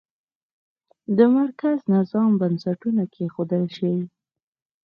د مرکزي نظام بنسټونه کېښودل شي.